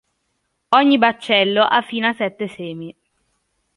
Ogni baccello ha fino a sette semi.